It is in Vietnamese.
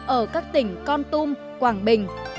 ở các tỉnh con tum quảng bình